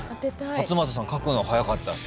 勝俣さん書くの早かったっすね。